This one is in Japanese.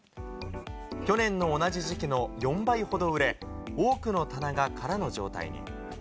去年の同じ時期の４倍ほど売れ、多くの棚が空の状態に。